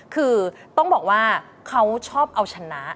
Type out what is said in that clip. คือต้องบอกว่าเขาชอบเอาชนะ